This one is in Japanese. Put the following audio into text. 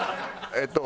えっと。